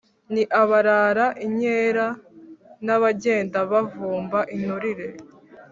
ni abarara inkera, n’abagenda bavumba inturire